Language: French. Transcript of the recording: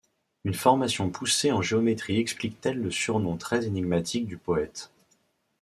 Une formation poussée en géométrie explique-t-elle le surnom très énigmatique du poète?